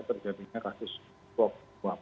terjadinya kasus uang